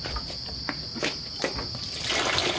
เฉยว่าจะอร่อย